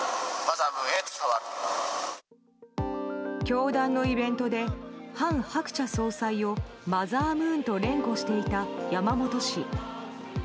教団のイベントで韓鶴子総裁をマザームーンと連呼していた山本氏。